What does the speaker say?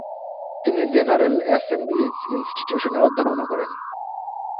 তিনি general assembly's ইনস্টিটিউশনে অধ্যাপনা করেন।